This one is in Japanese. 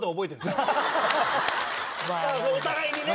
お互いにね！